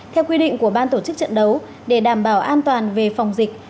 theo quy định của ban tổ chức trận đấu để đảm bảo an toàn về phòng dịch